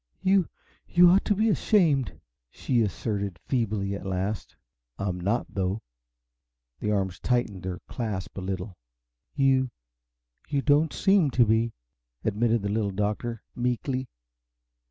"You you ought to be ashamed!" she asserted feebly, at last. "I'm not, though." The arms tightened their clasp a little. "You you don't SEEM to be," admitted the Little Doctor, meekly.